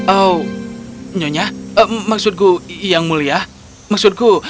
oh nyonya maksudku yang mulia maksudku